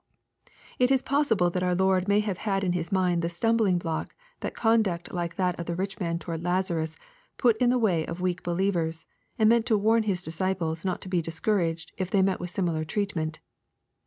— ^It is possible that our Lord may have had in his mind the stumbling block that conduct like that of the rich man towards Lazarus put in the way of weak believ ers, and meant to warn His disciples not to be discouraged if they met with similar treatment.